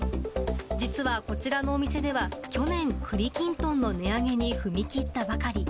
実はこちらのお店では、去年、栗きんとんの値上げに踏み切ったばかり。